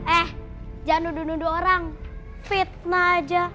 eh jangan nuduh nuduh orang fitnah aja